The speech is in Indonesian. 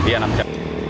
iya enam jam